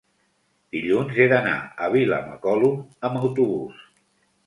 dilluns he d'anar a Vilamacolum amb autobús.